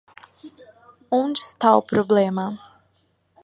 Onde está o problema?